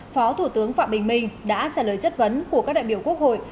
phó thủ tướng phạm bình minh đã trả lời chất vấn của các đại biểu quốc hội